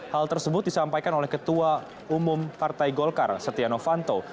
hal tersebut disampaikan oleh ketua umum partai golkar setia novanto